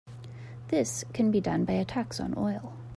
This can be done by a tax on oil.